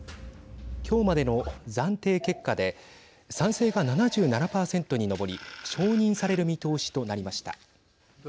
きょうまでの暫定結果で賛成が７７％に上り承認される見通しとなりました。